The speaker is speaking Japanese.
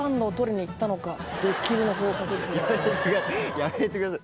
やめてください